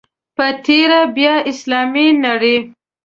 په تېره بیا اسلامي نړۍ.